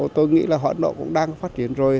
tôi nghĩ là ấn độ cũng đang phát triển rồi